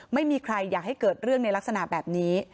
ไม่มีใครอยากให้เกิดเรื่องในลักษณะแบบนี้